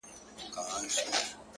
• له مكتبه مي رهي كړله قمار ته ,